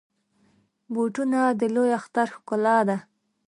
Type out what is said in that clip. بوټونه د لوی اختر ښکلا ده.